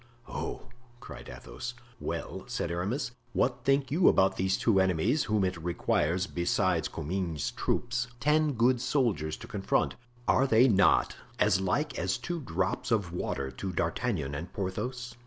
"Oh!" cried Athos. "Well," said Aramis, "what think you about these two enemies whom it requires, besides Comminges's troop, ten good soldiers to confront; are they not as like as two drops of water to D'Artagnan and Porthos?"